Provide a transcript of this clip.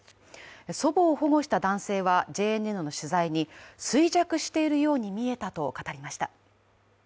祖母を保護した男性は、ＪＮＮの取材に衰弱しているように見えたと語りました。